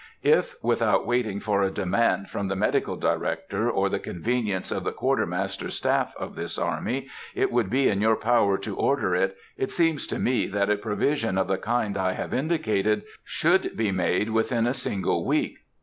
If, without waiting for a demand from the Medical Director, or the convenience of the Quartermaster's staff of this army, it would be in your power to order it, it seems to me that a provision of the kind I have indicated should be made within a single week.